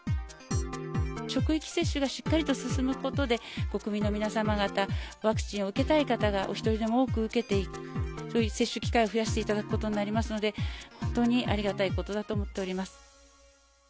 職域接種がしっかりと進むことで、国民の皆様方、ワクチンを受けたい方がお一人でも多く受けて、より接種機会を増やしていただくことになりますので、本当にありがたいことだと思っております。